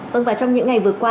vâng và trong những ngày vừa qua